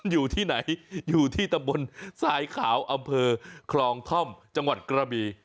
อยู่ที่ไหนอยู่ที่ตำบลทรายขาวอำเภอคลองท่อมจังหวัดกระบี